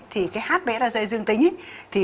hb sag dương tính